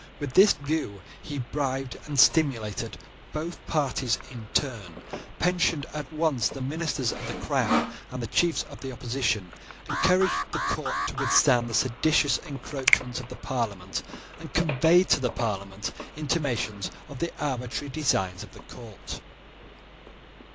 With this view he bribed and stimulated both parties in turn, pensioned at once the ministers of the crown and the chiefs of the opposition, encouraged the court to withstand the seditious encroachments of the Parliament, and conveyed to the Parliament intimations of the arbitrary designs of the court.